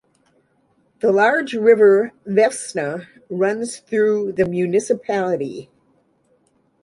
The large river Vefsna runs through the municipality.